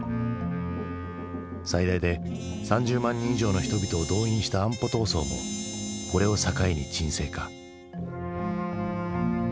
最大で３０万人以上の人々を動員した安保闘争もこれを境に沈静化。